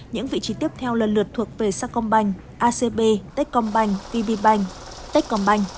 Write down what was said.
những vị trí tiếp theo lần lượt thuộc về sacombank acb techcombank